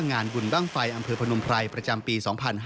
งานบุญบ้างไฟอำเภอพนมไพรประจำปี๒๕๕๙